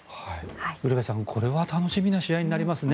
ウルヴェさんこれは楽しみな試合になりますね